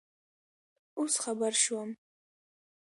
اوس خبر شوم